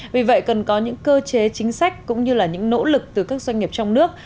vì vậy cần có những cơ chế chính sách cũng như là những nỗ lực từ các doanh nghiệp trong nước